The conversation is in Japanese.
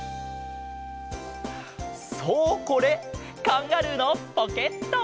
そうこれカンガルーのポケット。